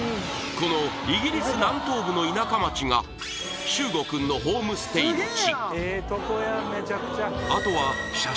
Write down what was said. このイギリス南東部の田舎町が秀悟くんのホームステイの地